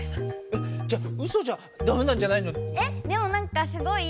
えっウソじゃダメなんじゃないの。